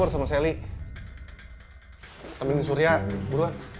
temenin surya buruan